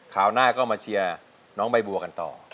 หน้าก็มาเชียร์น้องใบบัวกันต่อ